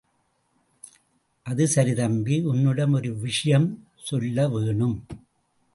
அது சரி தம்பி, உன்னிடம் ஒரு விஷயம் சொல்ல வேணும்.